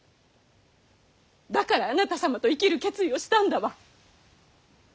だからあなた様と生きる決意をしたんだわ。